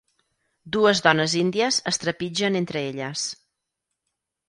Dues dones índies es trepitgen entre elles.